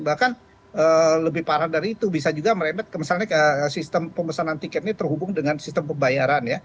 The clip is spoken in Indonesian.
bahkan lebih parah dari itu bisa juga merembet ke misalnya sistem pemesanan tiket ini terhubung dengan sistem pembayaran ya